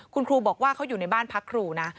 คุณครูบอกว่าเขาอยู่ในบ้านพักครูนะ